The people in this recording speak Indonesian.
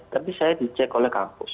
tapi saya dicek oleh kampus